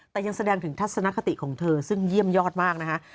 แต่ยังแสดงถึงทัศนคติของเธอซึ่งเยี่ยมยอดมากนะคะ